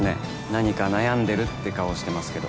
何か悩んでるって顔してますけど。